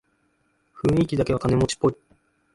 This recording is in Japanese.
雰囲気だけは金持ちっぽい